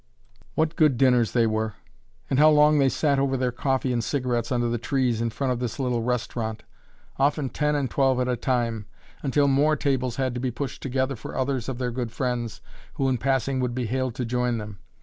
What good dinners they were! and how long they sat over their coffee and cigarettes under the trees in front of this little restaurant often ten and twelve at a time, until more tables had to be pushed together for others of their good friends, who in passing would be hailed to join them.